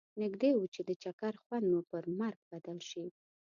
نږدي و چې د چکر خوند مو پر مرګ بدل شي.